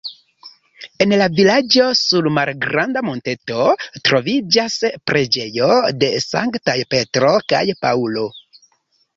En la vilaĝo sur malgranda monteto troviĝas preĝejo de Sanktaj Petro kaj Paŭlo.